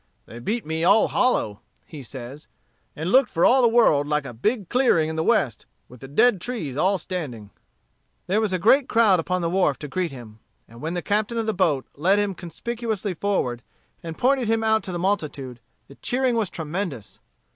"They beat me all hollow," he says, "and looked for all the world like a big clearing in the West, with the dead trees all standing." There was a great crowd upon the wharf to greet him. And when the captain of the boat led him conspicuously forward, and pointed him out to the multitude, the cheering was tremendous.